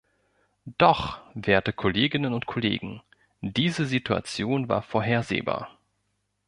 Doch, werte Kolleginnen und Kollegen, diese Situation war vorhersehbar.